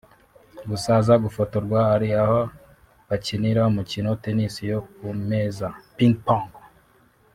gusa aza gufotorwa ari aho bakinira umukino Tennis yo ku meza (Ping Pong)